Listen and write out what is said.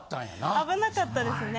危なかったですね。